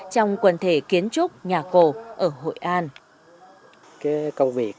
trong quần thể kiến trúc nhà cổ ở hội an